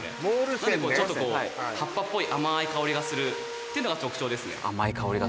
なんでちょっとこう葉っぱっぽい甘い香りがするっていうのが特徴ですね